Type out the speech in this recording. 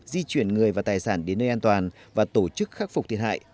di chuyển người và tài sản đến nơi an toàn và tổ chức khắc phục thiệt hại